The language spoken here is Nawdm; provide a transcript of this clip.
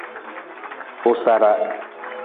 U sara.